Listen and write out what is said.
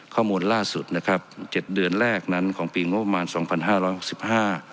ข้อมูลล่าสุดนะครับเจ็ดเดือนแรกนั้นของปีงบประมาณสองพันห้าร้อยหกสิบห้า